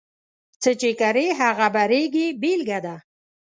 څه چې کرې، هغه به رېبې بېلګه ده.